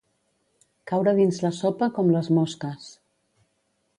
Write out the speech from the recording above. Caure dins la sopa, com les mosques.